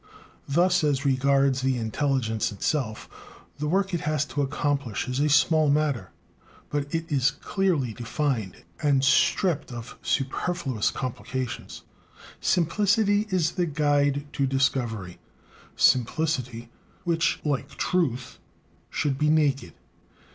Thus, as regards the intelligence in itself, the work it has to accomplish is a small matter, but it is clearly defined, and stripped of superfluous complications. Simplicity is the guide to discovery; simplicity which, like truth, should be naked.